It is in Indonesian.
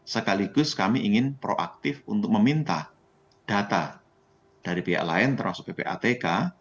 sekaligus kami ingin proaktif untuk meminta data dari pihak lain termasuk ppatk